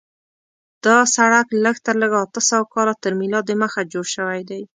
دا سړک لږ تر لږه اته سوه کاله تر میلاد دمخه جوړ شوی دی.